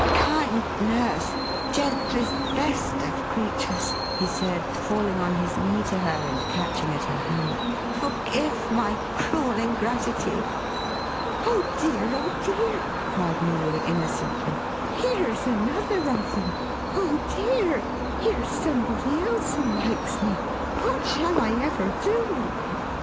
"Kind nurse, gentlest, best of creatures,11 he said, falling on his knee to her, and catching at her hand, "forgive my cruel ingratitude !" "Oh dear, oh dear!11 cried Milly innocently, "here's another of them ! Oh dear, here's somebody else who likes me. What shall I ever do !" GOOD NEWS FOR THE STUDENT.